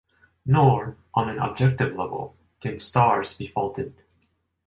Nor, on an objective level, can "Stars" be faulted...